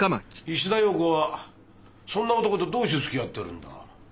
石田洋子はそんな男とどうしてつきあっとるんだ？